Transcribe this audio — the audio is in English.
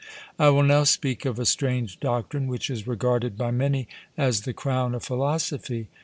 I will now speak of a strange doctrine, which is regarded by many as the crown of philosophy.